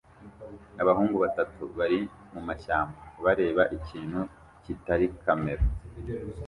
Abahungu batatu bari mumashyamba bareba ikintu kitari kamera